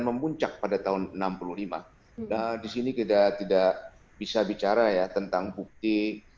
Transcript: memuncak pada tahun enam puluh lima nah disini tidak tidak bisa bicara ya tentang bukti